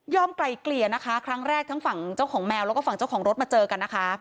ไกลเกลี่ยนะคะครั้งแรกทั้งฝั่งเจ้าของแมวแล้วก็ฝั่งเจ้าของรถมาเจอกันนะคะ